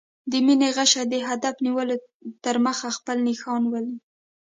د مینې غشی د هدف نیولو تر مخه خپل نښان ولي.